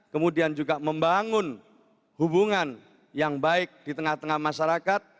kemudian juga membangun hubungan yang baik di tengah tengah masyarakat